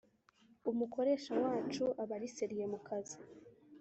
umukoresha wacu aba ari seriye mukazi